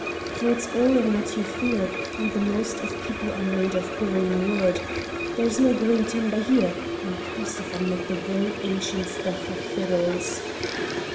for it's all in what you feel, and the most of people are made of green wood. There's no green timber here; I'm cursed if I'm not the very ancient stuff of fiddles!"